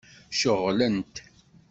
Ceɣlent.